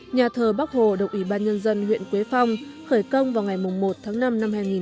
nhà thờ bác hồ độc ủy ban nhân dân huyện quế phong khởi công vào ngày một tháng năm năm hai nghìn một mươi bảy